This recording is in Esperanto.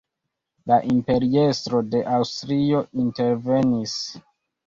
La imperiestro de Aŭstrio intervenis.